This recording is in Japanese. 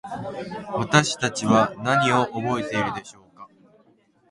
私たちは何を覚えているのでしょうか。